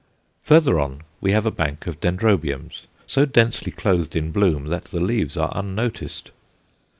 Further on we have a bank of Dendrobiums, so densely clothed in bloom that the leaves are unnoticed.